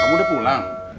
kamu udah pulang